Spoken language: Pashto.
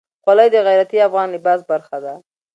خولۍ د غیرتي افغان لباس برخه ده.